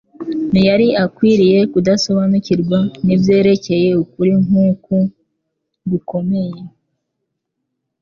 ntiyari akwiriye kudasobanukirwa n’ibyerekeye ukuri nk’uku gukomeye.